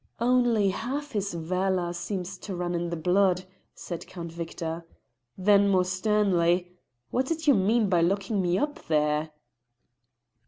"Only half his valour seems to run in the blood," said Count Victor. Then, more sternly, "What did you mean by locking me up there?"